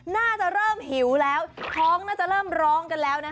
น่าจะเริ่มหิวแล้วท้องน่าจะเริ่มร้องกันแล้วนะคะ